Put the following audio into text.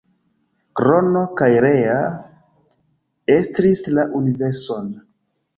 Krono kaj Rea estris la universon.